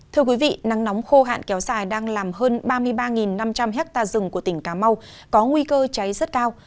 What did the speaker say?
thưa quý vị nắng nóng khô hạn kéo dài đang làm hơn ba mươi ba năm trăm linh hectare rừng của tỉnh cà mau có nguy cơ cháy rất cao